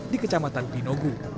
di kecamatan pinogu